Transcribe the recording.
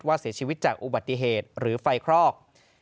เสียชีวิตจากอุบัติเหตุหรือไฟคลอก